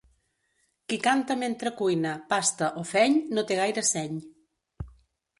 Qui canta mentre cuina, pasta o feny no té gaire seny.